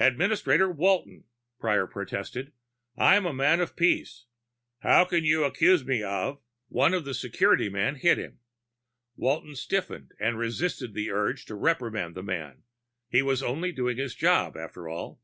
"Administrator Walton!" Prior protested. "I'm a man of peace! How can you accuse me of " One of the security men hit him. Walton stiffened and resisted the urge to reprimand the man. He was only doing his job, after all.